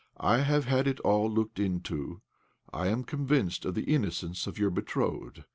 I have had it all looked into. I am convinced of the innocence of your betrothed.